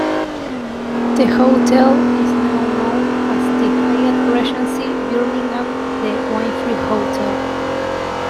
The hotel is now known as The Hyatt Regency Birmingham-The Wynfrey Hotel.